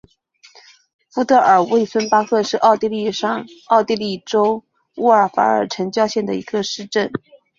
福德尔魏森巴赫是奥地利上奥地利州乌尔法尔城郊县的一个市镇。